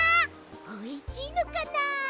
おいしいのかなあ。